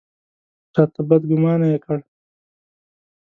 راته بدګومانه یې کړ.